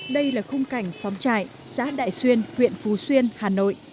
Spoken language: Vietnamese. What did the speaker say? đây là khung cảnh xóm trại xã đại xuyên huyện phú xuyên hà nội